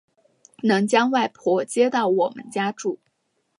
能将外婆接到我们家住